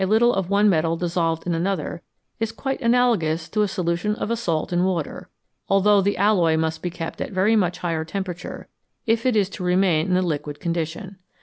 little of one metal dissolved in another, is quite analogous to a solution of a salt in water, although the alloy must be kept at a very much higher temperature, if it is to remain in the liquid condition.